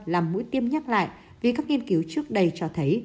làm mũi tiêm nhắc lại vì các nghiên cứu trước đây cho thấy